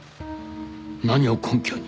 何を根拠に。